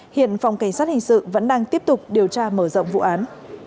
hiện phòng cảnh sát hình sự vẫn đang tiếp tục điều tra mở rộng vụ án